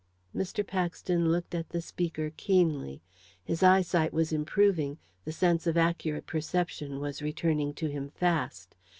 Mr. Paxton looked at the speaker keenly. His eyesight was improving. The sense of accurate perception was returning to him fast.